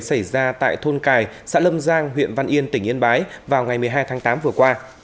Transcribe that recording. xảy ra tại thôn cài xã lâm giang huyện văn yên tỉnh yên bái vào ngày một mươi hai tháng tám vừa qua